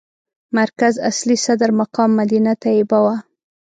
مرکز اصلي صدر مقام مدینه طیبه وه.